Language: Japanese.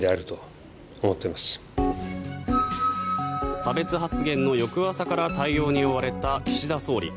差別発言の翌朝から対応に追われた岸田総理。